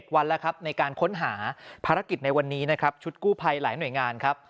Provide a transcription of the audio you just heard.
วันแล้วครับในการค้นหาภารกิจในวันนี้นะครับชุดกู้ภัยหลายหน่วยงานครับ